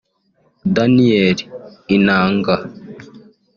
Daniel(Inanga)